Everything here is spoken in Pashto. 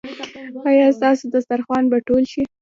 ایا ستاسو دسترخوان به ټول شي؟